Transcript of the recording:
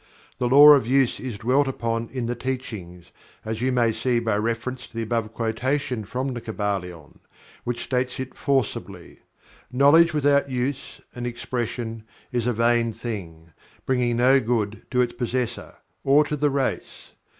The Law of Use is dwelt upon in the Teachings, as you may see by reference to the above quotation from The Kybalion, which states it forcibly. Knowledge without Use and Expression is a vain thing, bringing no good to its possessor, or to the race.